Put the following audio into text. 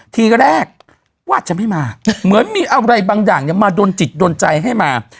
ทีแรกว่าจะไม่มาเหมือนมีอะไรบางอย่างมาดนจิตโดนใจให้มา